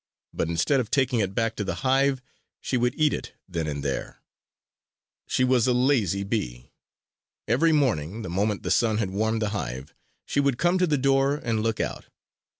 But instead of taking it back to the hive she would eat it then and there. She was a lazy bee. Every morning, the moment the sun had warmed the hive, she would come to the door and look out.